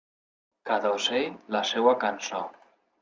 Cada ocell la seua cançó.